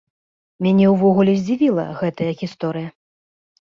Мяне ўвогуле здзівіла гэтая гісторыя.